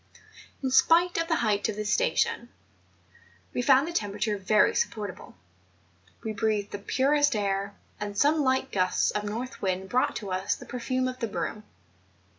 In spite of the height of this station, we found the temperature very supportable; we breathed the purest air, and some liglit gusts of north wind brought to us the perfume of the broom.